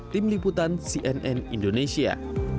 tim liputan cnn indonesia